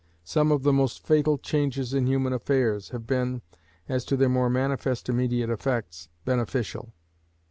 Some of the most fatal changes in human affairs have been, as to their more manifest immediate effects, beneficial.